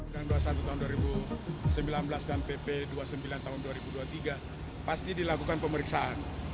yang dua puluh satu tahun dua ribu sembilan belas dan pp dua puluh sembilan tahun dua ribu dua puluh tiga pasti dilakukan pemeriksaan